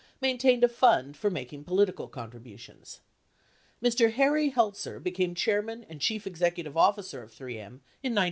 maintained a fund for making political contributions. Mr. Harry Heltzer became chairman and chief executive officer of 3 M in 1970.